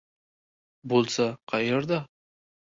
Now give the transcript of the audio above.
Bo‘lsa, qayerda?